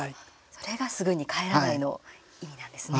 それがすぐに帰らないの意味なんですね。